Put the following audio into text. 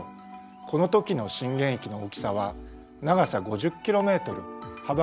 この時の震源域の大きさは長さ５０ｋｍ幅が１５ｋｍ。